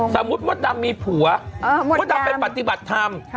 สมมุติมดดำมีผัวเออมดดำเป็นปฏิบัติทำค่ะ